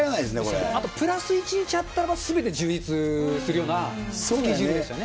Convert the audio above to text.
あとプラス１日あったらば、すべて充実するような、スケジュールでしたね。